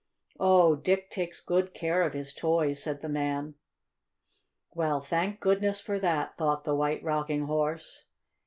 "Oh, Dick takes good care of his toys," said the man. "Well, thank goodness for that!" thought the White Rocking Horse.